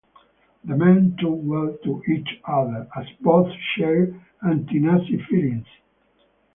The men took well to each other, as both shared anti-Nazi feelings.